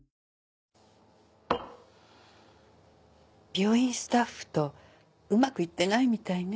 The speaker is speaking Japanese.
病院スタッフとうまくいってないみたいね。